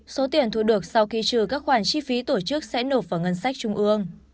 số tiền thu được sau khi trừ các khoản chi phí tổ chức sẽ nộp vào ngân sách trung ương